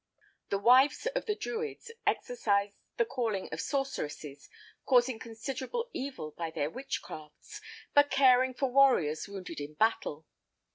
The wives of the Druids exercised the calling of sorceresses, causing considerable evil by their witchcrafts, but caring for warriors wounded in battle.